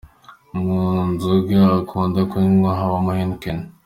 Mu nzoga akunda kunywa habamo Heineken.